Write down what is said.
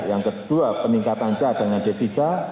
yang kedua peningkatan cadangan devisa